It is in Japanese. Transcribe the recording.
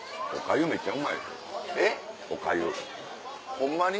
ホンマに？